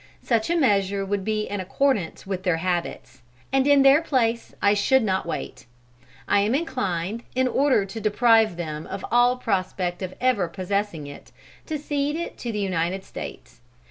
Such a measure would be in accordance with their habits; and in their place I should not wait. I am inclined, in order to deprive them of all prospect of ever possessing it, to cede it to the United States.